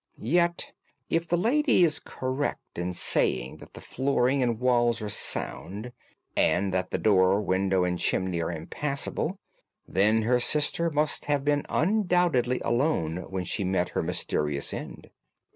"Yet if the lady is correct in saying that the flooring and walls are sound, and that the door, window, and chimney are impassable, then her sister must have been undoubtedly alone when she met her mysterious end."